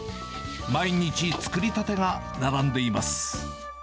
毎日、作り立てが並んでいます。